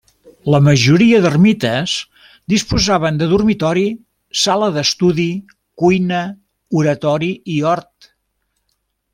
La majoria d'ermites disposaven de dormitori, sala d'estudi, cuina, oratori i hort.